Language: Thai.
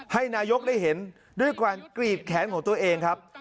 ให้นายกได้เห็นด้วยความกรีดแขนของตัวเองครับ